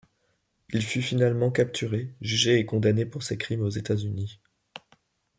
Il fut finalement capturé, jugé et condamné pour ses crimes aux États-Unis.